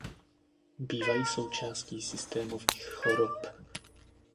Bývají součástí systémových chorob.